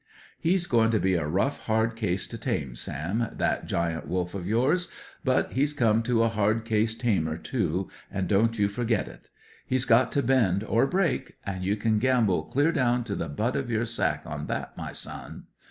He's goin' to be a rough, hard case to tame, Sam, that Giant Wolf of yours; but he's come to a hard case tamer, too, and don't you forget it. He's got to bend or break, and you can gamble clear down to the butt of your sack on that, my son.